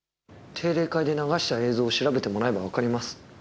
定例会で流した映像を調べてもらえばわかります。